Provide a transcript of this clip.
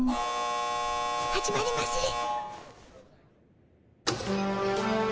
始まりまする。